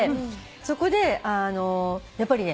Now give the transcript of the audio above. そこでやっぱりね